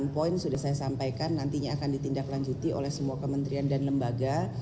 sembilan poin sudah saya sampaikan nantinya akan ditindaklanjuti oleh semua kementerian dan lembaga